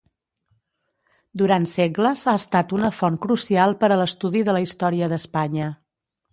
Durant segles ha estat una font crucial per a l'estudi de la història d'Espanya.